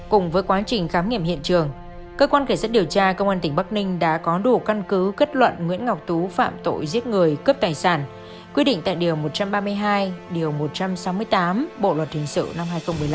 cùng với quá trình khám nghiệm hiện trường cơ quan kể sát điều tra công an tỉnh bắc ninh đã có đủ căn cứ kết luận nguyễn ngọc tú phạm tội giết người cướp tài sản quyết định tại điều một trăm ba mươi hai điều một trăm sáu mươi tám bộ luật hình sự năm hai nghìn một mươi năm